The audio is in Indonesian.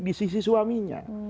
di sisi suaminya